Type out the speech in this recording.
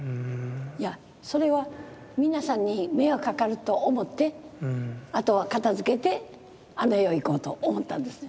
いやそれは皆さんに迷惑かかると思ってあとは片づけてあの世へ行こうと思ったんですね。